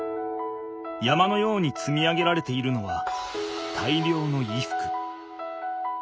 山のようにつみ上げられているのは大量の衣服。